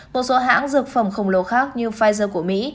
một số hãng dược phẩm khổng lồ khác như pfizer của mỹ